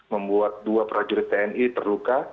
membuat dua prajurit tni terluka